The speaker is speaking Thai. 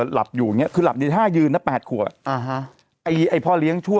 หลับอยู่อย่างเงี้คือหลับในท่ายืนนะแปดขวบอ่ะอ่าฮะไอ้ไอ้พ่อเลี้ยงชั่ว